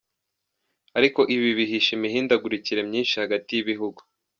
Ariko ibi bihishe imihindagurike myinshi hagati y'ibihugu.